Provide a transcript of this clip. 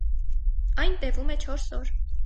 Այն տևում է չորս օր։